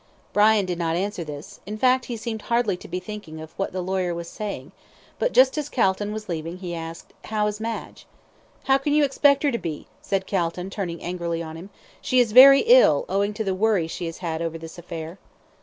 Brian did not answer to this; in fact, he seemed hardly to be thinking of what the lawyer was saying; but just as Calton was leaving, he asked "How is Madge?" "How can you expect her to be?" said Calton, turning angrily on him. "She is very ill, owing to the worry she has had over this affair."